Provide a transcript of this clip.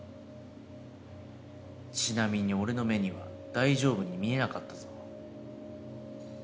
ちなみに俺の目には大丈夫に見えなかったぞ。